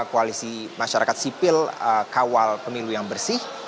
koalisi masyarakat sipil kawal pemilu yang bersih